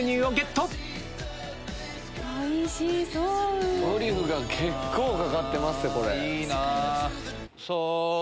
トリュフが結構かかってますよ。